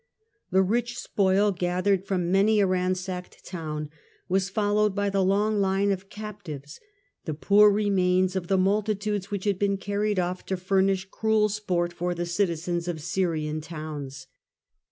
The rich spoil, gathered from miny a ransacked town, was followed by the long line of captives, the poor remains of the multitudes which had been carried off to furnish cruel sport for the citizens of Syrian towns.